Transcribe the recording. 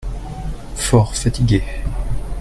Fort fatigué.